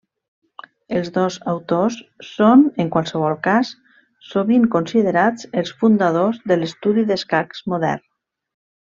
Els dos autors són en qualsevol cas sovint considerats els fundadors de l'estudi d'escacs modern.